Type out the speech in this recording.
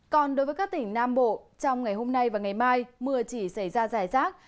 còn đối với các tỉnh nam bộ trong ngày hôm nay và ngày mai mưa chỉ xảy ra rải rác